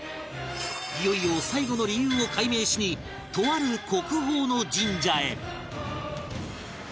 いよいよ最後の理由を解明しにとある国宝の神社へ